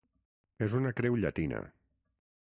És una creu llatina.